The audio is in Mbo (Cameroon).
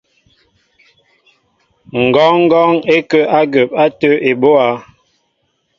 Ŋgɔɔŋgɔn ó kǝǝ agǝǝp atǝǝ ebóá.